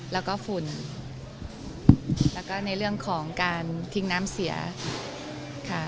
แล้วก็ฝุ่นแล้วก็ในเรื่องของการทิ้งน้ำเสียค่ะ